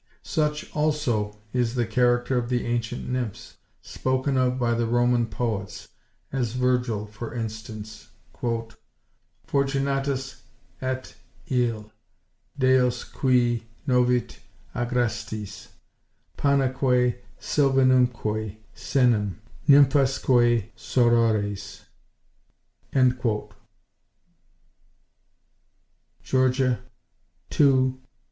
Such, also, is the character of the ancient nymphs, spoken of by the Roman poets, as Virgil, for instance: "Fortunatus et ille, deos qui novit agrestes, Panaque, Sylvanumque senem, Nymphasque sorores." (Geor. ii.